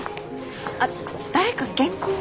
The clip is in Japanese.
あっ誰か原稿を。